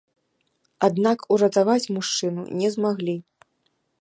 Аднак уратаваць мужчыну не змаглі.